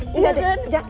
eh mirah jess